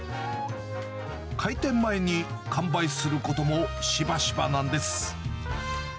開店前に完売することもしばしばなんです。